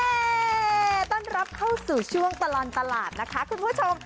ต้อนรับเข้าสู่ช่วงตลอดตลาดนะคะคุณผู้ชม